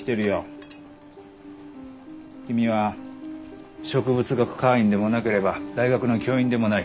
君は植物学会員でもなければ大学の教員でもない。